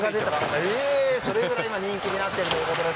それぐらい人気になっているということです。